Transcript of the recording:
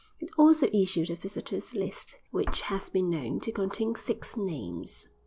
It also issued a visitors' list, which has been known to contain six names.